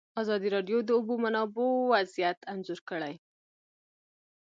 ازادي راډیو د د اوبو منابع وضعیت انځور کړی.